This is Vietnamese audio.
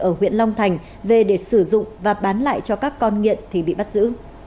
ở huyện long thành về để sử dụng và bán lại cho các con nghiện thì bị bắt giữ